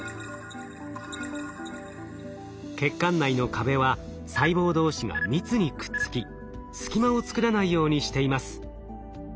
血管内の壁は細胞同士が密にくっつき隙間を作らないようにしています。